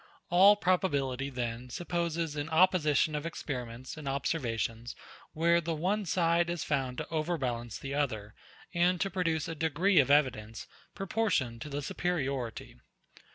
All probability, then, supposes an opposition of experiments and observations, where the one side is found to overbalance the other, and to produce a degree of evidence, proportioned to the superiority.